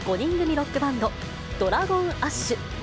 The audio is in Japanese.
ロックバンド、ＤｒａｇｏｎＡｓｈ。